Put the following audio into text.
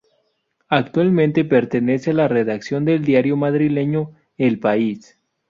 Actualmente pertenece a la redacción del diario madrileño El País.